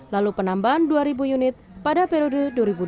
lalu penambahan dua ribu unit pada periode dua ribu dua puluh dua ribu dua puluh dua